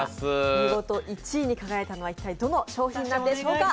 見事１位に輝いたのは、どの商品なんでしょうか。